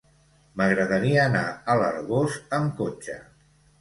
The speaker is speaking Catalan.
M'agradaria anar a l'Arboç amb cotxe.